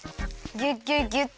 ぎゅっぎゅっぎゅってやって。